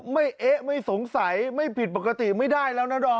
ไม่เอ๊ะไม่สงสัยไม่ผิดปกติไม่ได้แล้วนะดอม